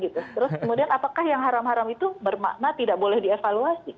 terus kemudian apakah yang haram haram itu bermakna tidak boleh dievaluasi